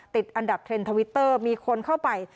ติดอันดับเทรนด์ทวิตเตอร์มีคนเข้าไป